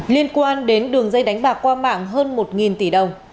liên quan đến đường dây đánh bạc qua mạng hơn một tỷ đồng